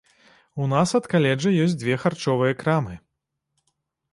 У нас ад каледжа ёсць дзве харчовыя крамы.